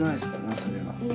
それは。